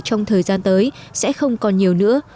trong thời gian tới sẽ không còn nhiều nữa